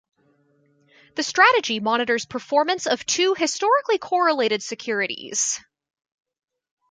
The strategy monitors performance of two historically correlated securities.